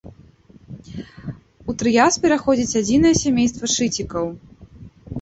У трыяс пераходзіць адзінае сямейства шыцікаў.